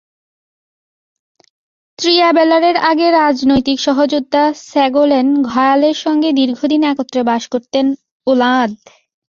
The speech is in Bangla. ত্রিয়াবেলারের আগে রাজনৈতিক সহযোদ্ধা সেগোলেন ঘয়ালের সঙ্গে দীর্ঘদিন একত্রে বাস করতেন ওলাঁদ।